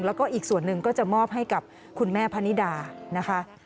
แล้วก็อีกส่วนหนึ่งก็จะมอบให้กับคุณแม่พนิดานะคะ